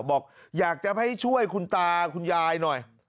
บอกอยากจะให้ช่วยคุณตาคุณยายหน่อย